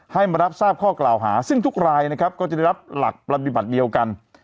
ให้มารับทราบข้อกล่าวหาซึ่งทุกรายนะครับก็จะได้รับหลักปฏิบัติเดียวกัน